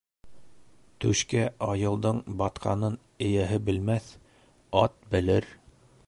Түшкә айылдың батҡанын эйәһе белмәҫ, ат белер